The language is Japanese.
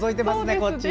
こっち。